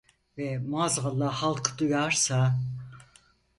Ve maazallah halk duyarsa…